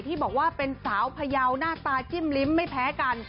ที่บอกว่าเป็นสาวพยาวหน้าตาจิ้มลิ้มไม่แพ้กัน